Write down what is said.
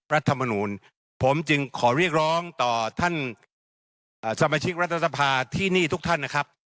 รัฐมนูลผมจึงขอเรียกร้องต่อท่านสมาชิกรัฐสภาที่นี่ทุกท่านนะครับ